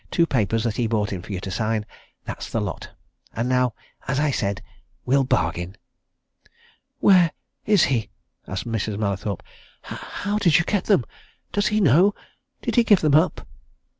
Two papers that he brought for you to sign. That's the lot! And now, as I said, we'll bargain." "Where is he?" asked Mrs. Mallathorpe. "How how did you get them? Does he know did he give them up?"